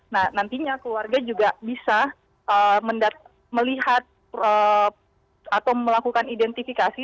nah nantinya keluarga juga bisa melihat atau melakukan identifikasi